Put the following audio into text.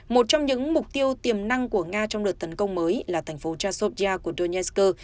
một trong những mục tiêu tiềm năng của nga trong đợt tấn công mới là thành phố chasobia của donesk